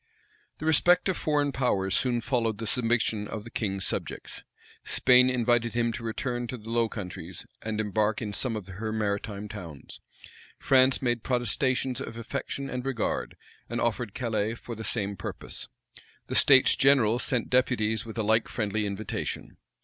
The respect of foreign powers soon followed the submission of the king's subjects. Spain invited him to return to the Low Countries, and embark in some of her maritime towns. France made protestations of affection and regard, and offered Calais for the same purpose. The states general sent deputies with a like friendly invitation.